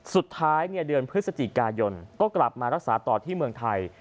สุดท้ายเดือนพฤศจิกายนก็กลับมารักษาต่อที่เมืองไทย